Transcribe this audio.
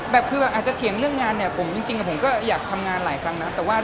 แบบคือแบบอาจจะเถียงเรื่องงานเนี่ยผมจริงผมก็อยากทำงานหลายครั้งนะครับ